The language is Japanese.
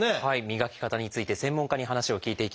磨き方について専門家に話を聞いていきましょう。